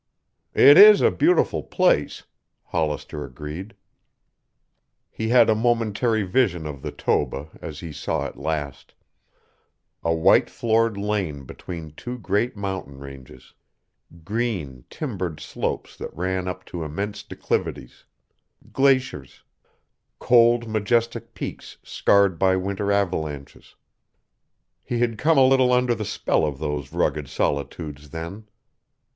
"It is a beautiful place," Hollister agreed. He had a momentary vision of the Toba as he saw it last: a white floored lane between two great mountain ranges; green, timbered slopes that ran up to immense declivities; glaciers; cold, majestic peaks scarred by winter avalanches. He had come a little under the spell of those rugged solitudes then.